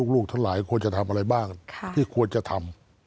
ลูกทั้งหลายควรจะทำอะไรบ้างที่ควรจะทำ